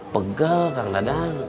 pegel kang dadang